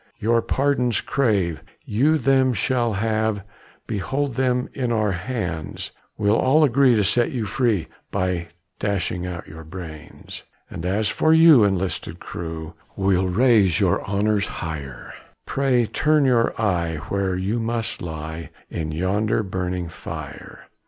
"Your pardons crave, you them shall have, Behold them in our hands; We'll all agree to set you free, By dashing out your brains. "And as for you, enlisted crew, We'll raise your honors higher: Pray turn your eye, where you must lie, In yonder burning fire."